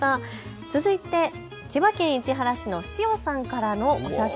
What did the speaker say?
続いて千葉県市原市のｓｈｉｏさんからのお写真。